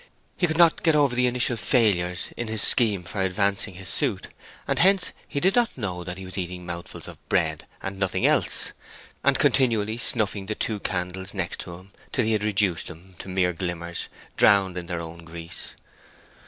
He could not get over the initial failures in his scheme for advancing his suit, and hence he did not know that he was eating mouthfuls of bread and nothing else, and continually snuffing the two candles next him till he had reduced them to mere glimmers drowned in their own grease.